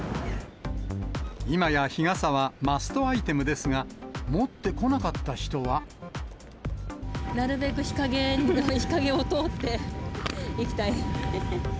今や日傘はマストアイテムですが、なるべく日陰、日陰を通っていきたい。